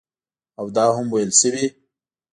او دا هم ویل شوي